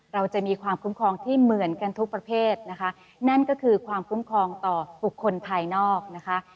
เราจะมีความคุ้มครองที่เหมือนกันทุกประเภทนะคะนั่นก็คือความคุ้มครองต่อบุคคลภายนอกนะคะ